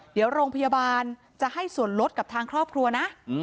เดี๋ยวโรงพยาบาลจะให้ส่วนลดกับทางครอบครัวนะ